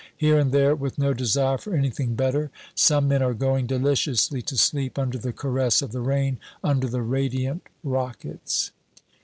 Here and there, with no desire for anything better, some men are going deliciously to sleep under the caress of the rain, under the radiant rockets.